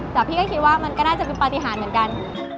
แต่พี่ก็คิดว่ามันก็น่าจะเป็นปฏิหารเหมือนกัน